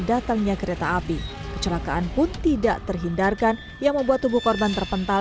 datangnya kereta api kecelakaan pun tidak terhindarkan yang membuat tubuh korban terpental